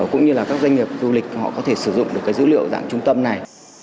cũng như là các doanh nghiệp du lịch họ có thể sử dụng được cái dữ liệu dạng trung tâm này